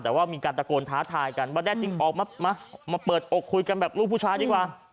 แต่ว่ามีการตะโกนท้าทายกันว่าแน่จริงออกมามาเปิดอกคุยกันแบบลูกผู้ชายดีกว่า